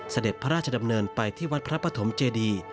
เสด็จพระราชดำเนินไปที่วัดพระปฐมเจดี